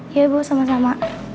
iya ibu sama sama